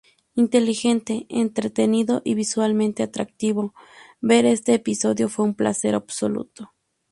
Inteligente, entretenido y visualmente atractivo, ver este episodio fue un placer absoluto.